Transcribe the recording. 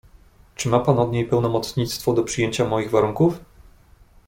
"Czy ma pan od niej pełnomocnictwo do przyjęcia moich warunków?"